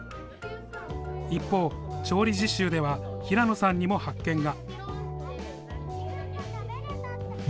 一方、調理実習では平野さんにも発見が。